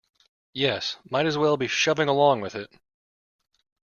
Yes, might as well be shoving along with it.